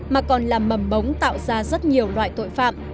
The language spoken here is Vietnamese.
mà còn là mầm bóng tạo ra rất nhiều loại tội phạm